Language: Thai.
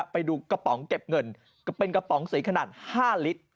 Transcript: ไปดูกระป๋องเก็บเงินเป็นกระป๋องสีขนาด๕ลิตร